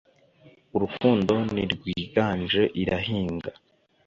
“urukundo ntirwiganje; irahinga. ”